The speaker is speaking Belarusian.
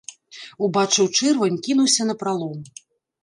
Убачыў чырвань, кінуўся напралом.